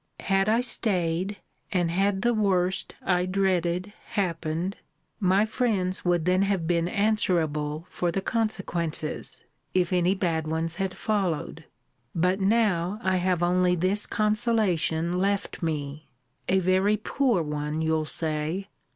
Had I staid, and had the worst I dreaded happened, my friends would then have been answerable for the consequences, if any bad ones had followed: but now, I have only this consolation left me (a very poor one, you'll say!)